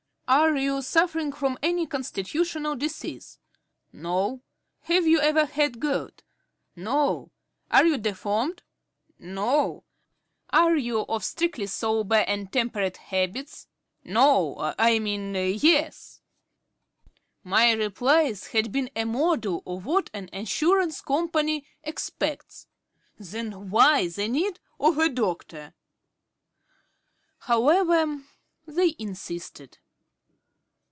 "Are you suffering from any constitutional disease? No. Have you ever had gout? No. Are you deformed? No. Are you of strictly sober and temperate habits? No, I mean Yes." My replies had been a model of what an Assurance Company expects. Then why the need of a doctor? However, they insisted.